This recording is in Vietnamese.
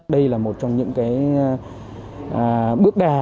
đây là một trong những bước đà